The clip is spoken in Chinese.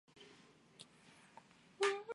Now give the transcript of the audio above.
武平四年去世。